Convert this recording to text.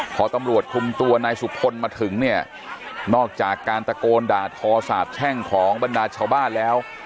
พอตำรวจคุมตัวนายสุพลมาถึงเนี่ยนอกจากการตะโกนด่าทอสาบแช่งของบรรดาชาวบ้านแล้ว